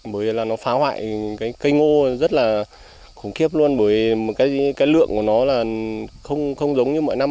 bởi vì nó phá hoại cây ngô rất là khủng khiếp luôn bởi cái lượng của nó không giống như mỗi năm